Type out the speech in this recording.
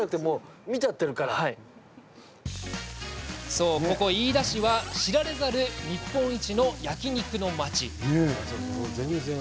そう、ここ飯田市は知られざる日本一の焼肉のまち。